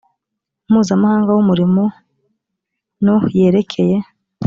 mpuzamahanga w’umurimo no yerekeye